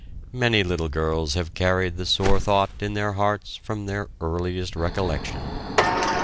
Many little girls have carried the sore thought in their hearts from their earliest recollection.